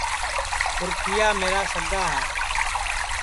پُرکھِِیا میرا سگا ہے